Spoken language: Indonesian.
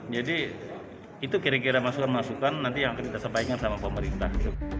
jadi itu kira kira masukan masukan nanti yang kita sampaikan sama pemerintah